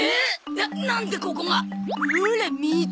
なっなんでここが！？ほら見つけた。